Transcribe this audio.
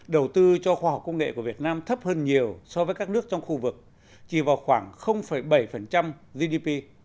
đầu tư cho khoa học công nghệ của việt nam thấp hơn nhiều so với các nước trong khu vực chỉ vào khoảng bảy gdp